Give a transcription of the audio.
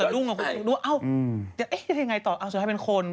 เดี๋ยวจะได้ยังไงต่อเอาเสร็จให้เป็นคน